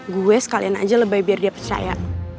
gue sekalian aja lebay biar dia percaya